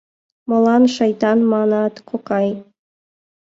— Молан «шайтан» манат, кокай?